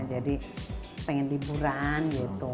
jadi pengen liburan gitu